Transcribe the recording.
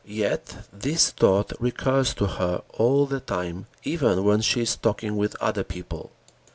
Yet this thought recurs to her all the time, even when she is talking with other people.